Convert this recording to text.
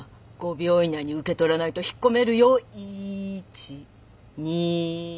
５秒以内に受け取らないと引っ込めるよ。